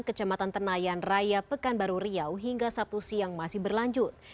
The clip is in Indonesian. kecamatan tenayan raya pekanbaru riau hingga sabtu siang masih berlanjut